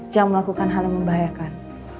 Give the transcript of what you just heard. yang melakukan hal yang membahayakan